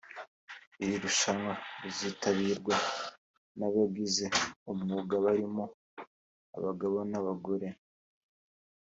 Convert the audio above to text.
Iri rushwana rizitabirwa n’ababigize umwuga barimo abagabo n’abagore